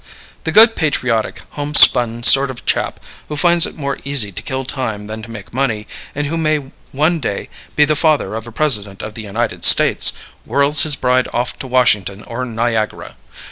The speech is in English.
The good, patriotic, homespun sort of chap, who finds it more easy to kill time than to make money, and who may one day be the father of a President of the United States, whirls his bride off to Washington or Niagara.